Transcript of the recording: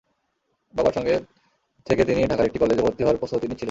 বাবার সঙ্গে থেকে তিনি ঢাকার একটি কলেজে ভর্তি হওয়ার প্রস্তুতি নিচ্ছিলেন।